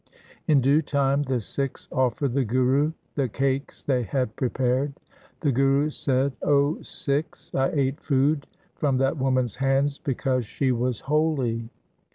In due time the Sikhs offered the Guru the cakes they had prepared. The Guru said, ' O Sikhs, I ate food from that woman's hands because she was holy.